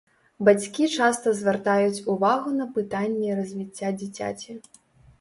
Бацькі часта звяртаюць увагу на пытанні развіцця дзіцяці.